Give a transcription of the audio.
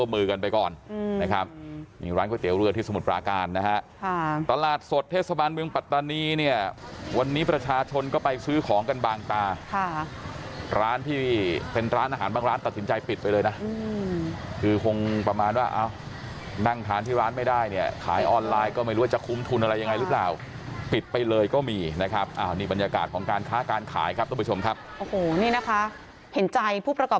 บทเทศบาลเมืองปัตตานีเนี่ยวันนี้ประชาชนก็ไปซื้อของกันบางตาค่ะร้านที่เป็นร้านอาหารบ้างร้านตัดสินใจปิดไปเลยนะคือคงประมาณว่านั่งทานที่ร้านไม่ได้เนี่ยขายออนไลน์ก็ไม่รู้ว่าจะคุ้มทุนอะไรยังไงหรือเปล่าปิดไปเลยก็มีนะครับอ่านี่บรรยากาศของการค้าการขายครับต้องไปชมครับโอ้โหนี่นะคะเห็นใจผู้ประกอ